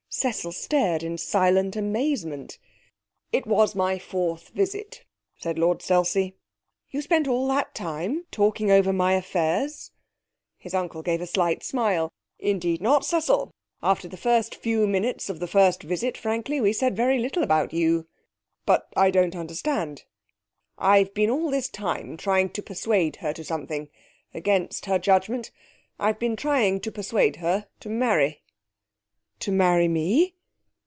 Cecil stared in silent amazement. 'It was my fourth visit,' said Lord Selsey. 'You spent all that time talking over my affairs?' His uncle gave a slight smile. 'Indeed not, Cecil. After the first few minutes of the first visit, frankly, we said very little about you.' 'But I don't understand.' 'I've been all this time trying to persuade her to something against her judgement. I've been trying to persuade her to marry.' 'To marry me?'